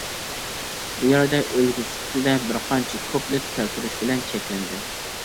بۇ يەردە ئۈلگە سۈپىتىدە بىرقانچە كۇپلېت كەلتۈرۈش بىلەن چەكلەندىم.